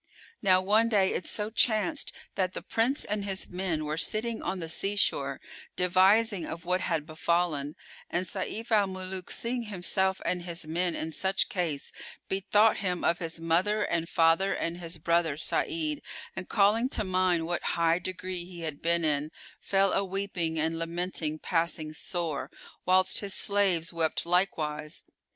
Now one day it so chanced that the Prince and his men were sitting on the sea shore, devising of what had befallen, and Sayf al Muluk, seeing himself and his men in such case, bethought him of his mother and father and his brother Sa'id and, calling to mind what high degree he had been in, fell a weeping and lamenting passing sore, whilst his slaves wept likewise.